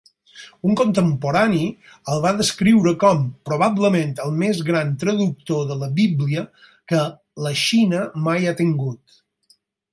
Un contemporani el va descriure com "probablement el més gran traductor de la Bíblia que la Xina mai ha tingut".